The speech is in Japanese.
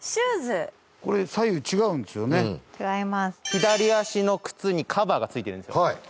左足の靴にカバーが付いてるんですよ。